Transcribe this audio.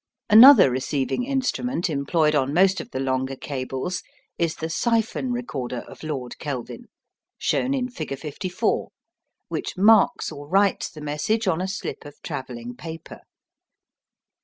Another receiving instrument employed on most of the longer cables is the siphon recorder of Lord Kelvin, shown in figure 54, which marks or writes the message on a slip of travelling paper.